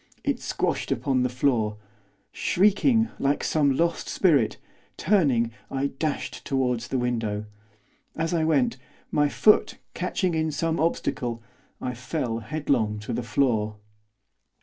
It squashed upon the floor. Shrieking like some lost spirit, turning, I dashed towards the window. As I went, my foot, catching in some obstacle, I fell headlong to the floor.